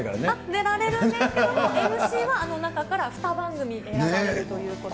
出られるんですけども、ＭＣはあの中から２番組選ばれるということで。